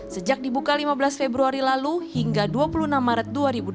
sejak dibuka lima belas februari lalu hingga dua puluh enam maret dua ribu dua puluh